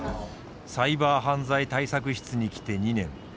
サイバー犯罪対策室に来て２年。